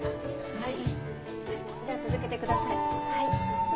はい。